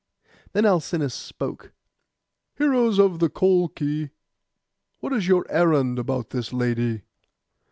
Then Alcinous spoke, 'Heroes of the Colchi, what is your errand about this lady?